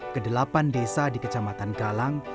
kedelapan desa di kecamatan galang